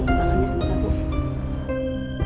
tangannya sempat bu